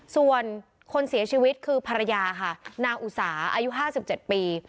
ส่วนคนเสียชีวิตคือภรรยาค่ะนางอุสาอายุ๕๗ปี